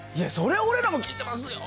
俺らも聴いてますよ。